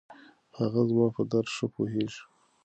هغه زما په درد ښه پوهېږي.